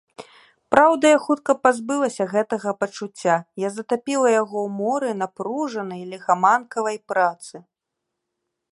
Праўда, я хутка пазбылася гэтага пачуцця, я затапіла яго ў моры напружанай, ліхаманкавай працы.